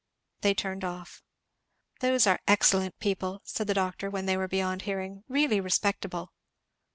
They turned off. "Those are excellent people," said the doctor when they were beyond hearing; "really respectable!"